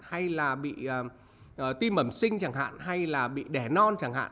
hay là bị tim bẩm sinh chẳng hạn hay là bị đẻ non chẳng hạn